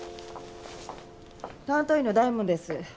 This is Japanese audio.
担当医の大門です。